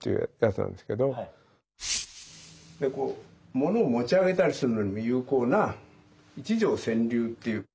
モノを持ち上げたりするのにも有効な「一条潜流」っていう。